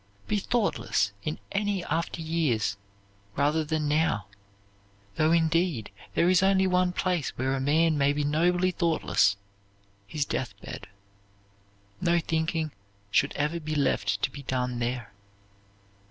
Be thoughtless in any after years, rather than now, though, indeed, there is only one place where a man may be nobly thoughtless, his deathbed. No thinking should ever be left to be done there."